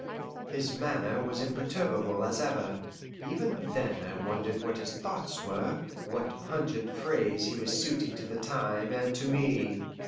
His manner was imperturbable as ever. Even then I wondered what his thoughts were, what pungent phrase he was suiting to the time and to me.